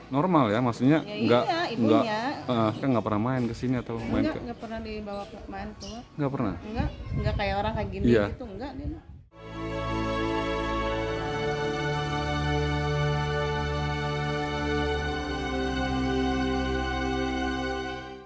normal ya maksudnya enggak enggak enggak pernah main kesini atau enggak pernah enggak enggak